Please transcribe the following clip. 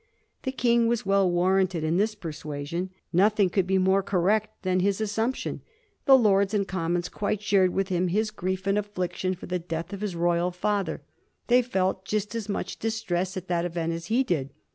The King was well warranted in this persuasion ; nothing could be more correct than his assumption. The Lords and Com mons quite shared with him his grief and affliction Digiti zed by Google 1727 CONDOLENCE AND CONGRATULATION. 365 for the death of his royal father. They felt just as much distress at that event as he did.